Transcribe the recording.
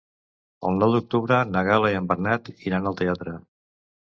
El nou d'octubre na Gal·la i en Bernat iran al teatre.